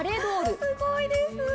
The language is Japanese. すごいです。